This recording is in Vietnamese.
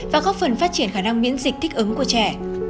và góp phần phát triển khả năng miễn dịch thích ứng của trẻ